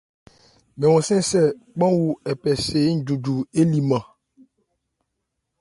Mɛn hɔn-sɛ́n kpánhɔn a phɛ ncɛ́n njunju éliiman.